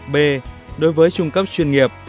b đối với trung cấp chuyên nghiệp